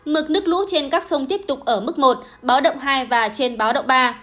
mực nước lũ trên các sông tiếp tục ở mức một báo động hai và trên báo động ba